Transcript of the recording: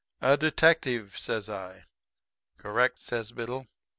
"'A detective,' says I. "'Correct,' says Biddle.